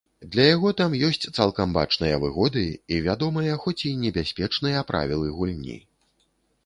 Для яго там ёсць цалкам бачныя выгоды і вядомыя, хоць і небяспечныя, правілы гульні.